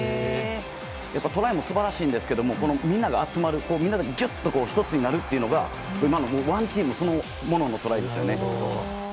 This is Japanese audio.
トライも素晴らしいんですけどみんなが集まるみんながギュッと１つになるというのがＯＮＥＴＥＡＭそのもののトライですよね。